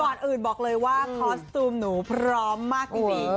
บอร์ดอื่นบอกเลยว่าคอสตูมหนูพร้อมมากดี